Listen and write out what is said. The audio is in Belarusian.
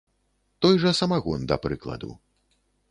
Той жа самагон, да прыкладу.